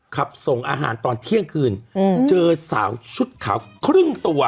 ขับส่งอาหารตอนเที่ยงคืนเจอสาวชุดขาวครึ่งตัว